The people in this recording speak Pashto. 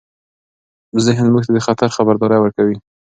ذهن موږ ته د خطر خبرداری ورکوي.